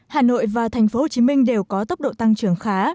hà nội và tp hcm đều có tốc độ tăng trưởng khá